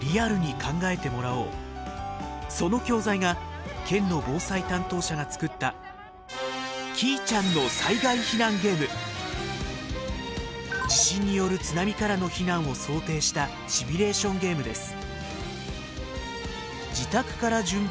その教材が県の防災担当者が作った地震による津波からの避難を想定したシミュレーションゲームです。